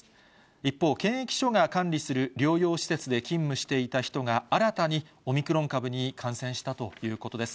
一方、検疫所が管理する療養施設で勤務していた人が新たにオミクロン株に感染したということです。